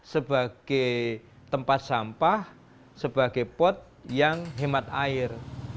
sebagai tempat sampah sebagai pot yang hemat air